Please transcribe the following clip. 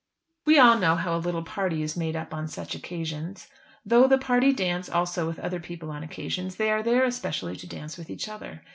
We all know how a little party is made up on such occasions. Though the party dance also with other people on occasions, they are there especially to dance with each other.